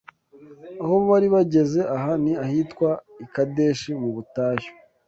Aho bari bageze aha ni ahitwa i Kadeshi mu butayu